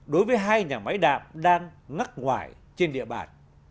đối với hai nhà máy đạm đang ngắt ngoại trên địa bàn